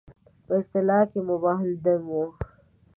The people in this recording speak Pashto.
په اصطلاح مباح الدم وو.